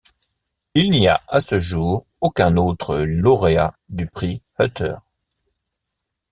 Il n'y a, à ce jour, aucun autre lauréat du Prix Hutter.